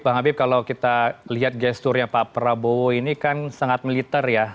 bang habib kalau kita lihat gesturnya pak prabowo ini kan sangat militer ya